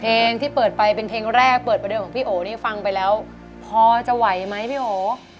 เพลงที่เปิดไปเป็นเพลงแรกเปิดประเดิมของพี่โอนี่ฟังไปแล้วพอจะไหวไหมพี่โอ